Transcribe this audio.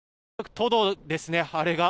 トドですね、あれが。